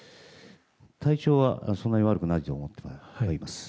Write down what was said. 体調はそんなに悪くないと思っております。